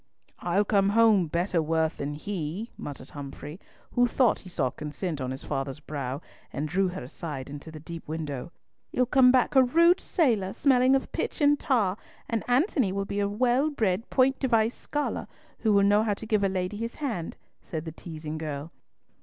"I'll come home better worth than he!" muttered Humfrey, who thought he saw consent on his father's brow, and drew her aside into the deep window. "You'll come back a rude sailor, smelling of pitch and tar, and Antony will be a well bred, point device scholar, who will know how to give a lady his hand," said the teasing girl.